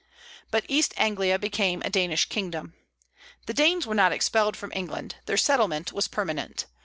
But East Anglia became a Danish kingdom. The Danes were not expelled from England. Their settlement was permanent.